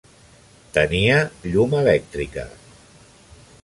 Tenia llum elèctrica.